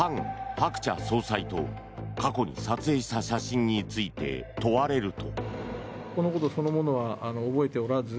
・ハクチャ総裁と過去に撮影した写真について問われると。